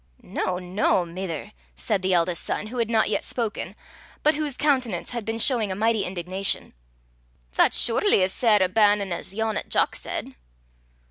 "Noo, noo, mither!" said the eldest son, who had not yet spoken, but whose countenance had been showing a mighty indignation, "that's surely as sair a bannin' as yon 'at Jock said."